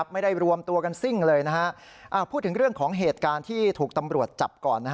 ไม่ได้รวมตัวกันซิ่งเลยพูดถึงเรื่องของเหตุการณ์ที่ถูกตำรวจจับก่อน